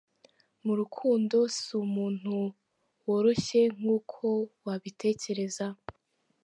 Mu rukundo, si umuntu woroshye nk’uko wabitekereza.